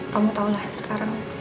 kamu tahulah sekarang